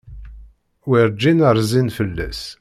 Werǧin rzin fell-as.